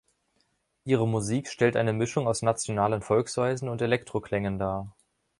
Ihre Musik stellt eine Mischung aus nationalen Volksweisen und Elektro-Klängen dar.